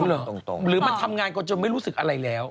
หรือมันทำงานกันจนไม่รู้สึกอะไรแล้ว